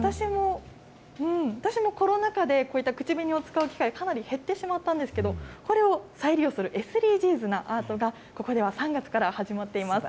私もコロナ禍で、こういった口紅を使う機会、かなり減ってしまったんですけれども、これを再利用するＳＤＧｓなアートが、ここでは３月から始まっています。